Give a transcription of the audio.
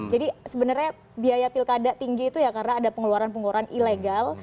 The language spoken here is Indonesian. jadi sebenarnya biaya pilkada tinggi itu karena ada pengeluaran pengeluaran ilegal